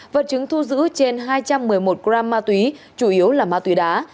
vật chứng thu giữ trên hai trăm một mươi một gram ma túy chủ yếu là ma túy đá